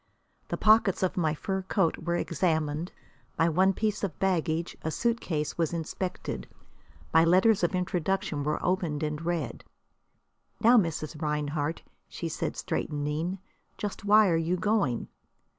The pockets of my fur coat were examined; my one piece of baggage, a suitcase, was inspected; my letters of introduction were opened and read. "Now, Mrs. Rinehart," she said, straightening, "just why are you going?"